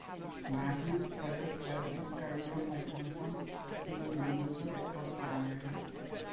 Magnus suggests that this kind of iconism is universal across languages.